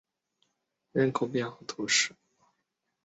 普朗佐莱人口变化图示